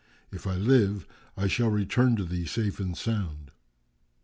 If I live I shall return to thee safe and sound."